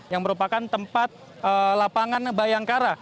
yang merupakan tempat lapangan bayangkara